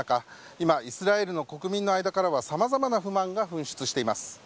今、イスラエルの国民の間からは様々な不満が噴出しています。